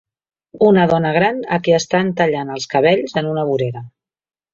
una dona gran a qui estan tallant els cabells en una vorera.